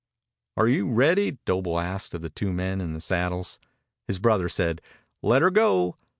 "Are you ready?" Doble asked of the two men in the saddles. His brother said, "Let 'er go!"